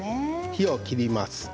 火を切ります。